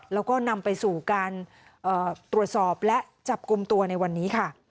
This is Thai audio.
แล้วก็นำไปสู่การตรวจสอบและจับกลุ่มตัวในวันนี้ค่ะ